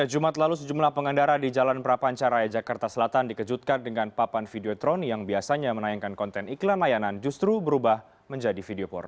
pada jumat lalu sejumlah pengendara di jalan prapancaraya jakarta selatan dikejutkan dengan papan videotroni yang biasanya menayangkan konten iklan layanan justru berubah menjadi video porno